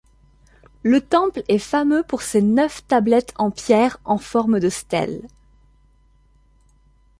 Le temple est fameux pour ses neuf tablettes en pierre en forme de stèle.